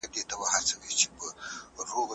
زه به سبا د سبا لپاره د يادښتونه ترتيب کړم!